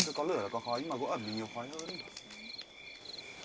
có lửa là có khói nhưng mà có ẩm thì nhiều khói hơn